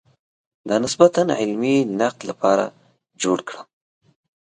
د نسبتاً علمي نقد لپاره جوړ کړم.